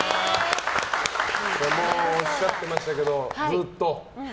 おっしゃってましたけど、ずっと。